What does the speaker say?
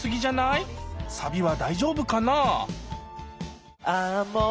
サビは大丈夫かな？